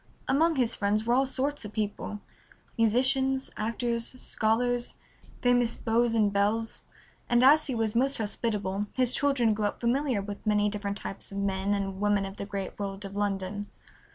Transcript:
Among his friends were all sorts of people, musicians, actors, scholars, famous beaux and belles, and as he was most hospitable his children grew up familiar with many different types of men and women of the great world of London.